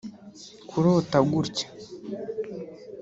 Kurota gutya